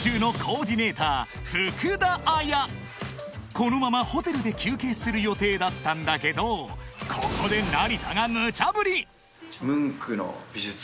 ［このままホテルで休憩する予定だったんだけどここで成田がムチャぶり］